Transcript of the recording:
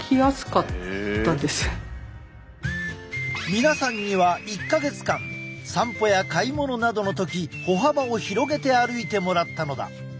皆さんには１か月間散歩や買い物などの時歩幅を広げて歩いてもらったのだ。